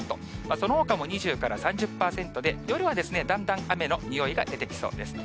そのほかも２０から３０％で、夜はだんだん雨のにおいが出てきそうです。